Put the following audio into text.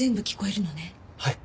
はい。